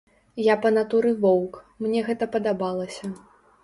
Я па натуры воўк, мне гэта падабалася.